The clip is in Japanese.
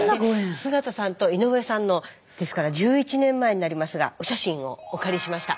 菅田さんと井上さんのですから１１年前になりますがお写真をお借りしました。